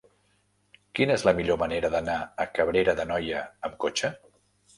Quina és la millor manera d'anar a Cabrera d'Anoia amb cotxe?